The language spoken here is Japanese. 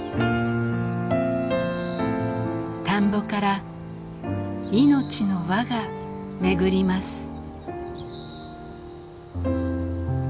田んぼから命の輪が巡ります。